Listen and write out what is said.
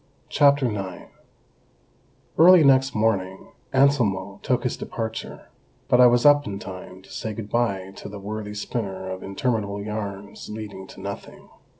CHAPTER IX Early next morning Anselmo took his departure, but I was up in time to say good bye to the worthy spinner of interminable yarns leading to nothing.